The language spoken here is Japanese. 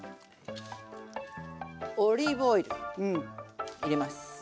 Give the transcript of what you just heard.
オリーブオイル入れます。